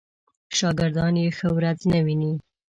شاګردان یې ښه ورځ نه ویني.